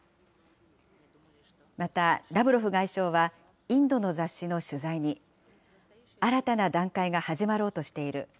また、ラブロフ外相は、インドの雑誌の取材に、新たな段階が始まろうとしている。